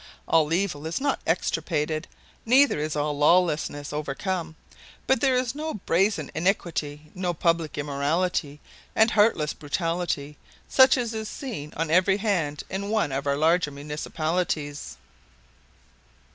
All evil is not extirpated, neither is all lawlessness overcome, but there is no brazen iniquity, no public immorality and heartless brutality such as is seen on every hand in one of our larger municipalities.